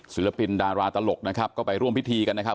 ศิลปินดาราตลกนะครับก็ไปร่วมพิธีกันนะครับ